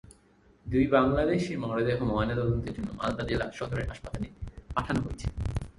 দুই বাংলাদেশির মরদেহ ময়নাতদন্তের জন্য মালদা জেলা সদরের হাসপাতালে পাঠানো হয়েছে।